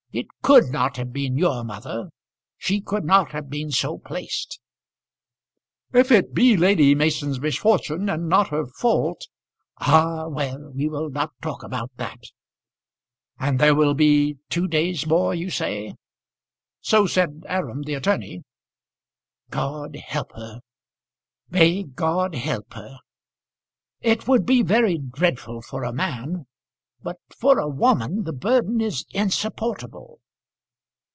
It could not have been your mother. She could not have been so placed." "If it be Lady Mason's misfortune, and not her fault " "Ah, well; we will not talk about that. And there will be two days more you say?" "So said Aram, the attorney." "God help her; may God help her! It would be very dreadful for a man, but for a woman the burden is insupportable."